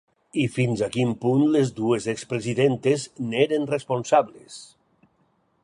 I fins a quin punt les dues ex-presidentes n’eren responsables.